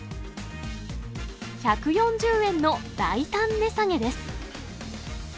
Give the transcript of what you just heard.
１４０円の大胆値下げです。